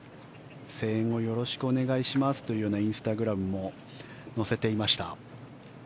声援をよろしくお願いしますというようなインスタグラムも載せていました。